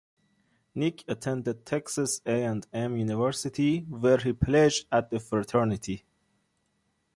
Nick attended Texas A and M University, where he pledged at a fraternity.